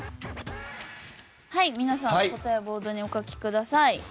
皆さん、答えをボードにお書きください。